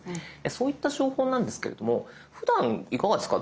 そういった情報なんですけれどもふだんいかがですか？